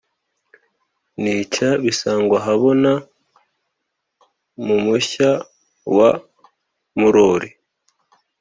Nica Bisangwahabona mu Mushya wa Murori